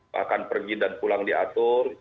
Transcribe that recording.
bahkan pergi dan pulang diatur